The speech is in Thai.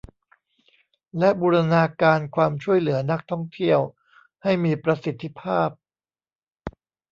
และบูรณาการความช่วยเหลือนักท่องเที่ยวให้มีประสิทธิภาพ